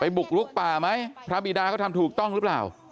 ไปบุกลุกป้าไหมพระมีดาตราไปทำถูกต้องรึเปล่า